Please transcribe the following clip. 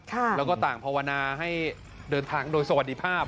แล้วก็ต่างภาวนาให้เดินทางโดยสวัสดีภาพ